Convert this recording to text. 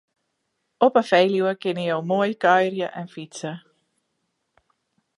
Op 'e Feluwe kinne jo moai kuierje en fytse.